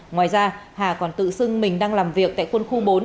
ngoài ra hà còn tự xưng mình đang làm việc tại quân khu bốn